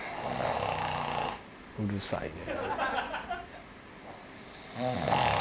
「うるさいね」